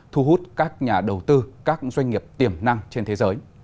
thu hút các nhà đầu tư các doanh nghiệp tiềm năng trên thế giới